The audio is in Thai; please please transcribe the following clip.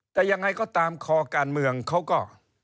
แต่ยังไงก็ตามคอการเมืองเขาก็